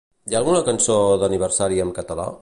Hi ha alguna cançó d'aniversari amb català?